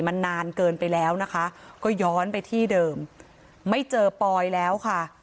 มันนานเกินไปแล้วนะคะก็ย้อนไปที่เดิมไม่เจอปอยแล้วค่ะ